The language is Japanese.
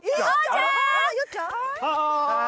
はい。